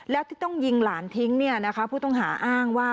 แล้วที่ต้องยิงหลานทิ้งผู้ต้องหาอ้างว่า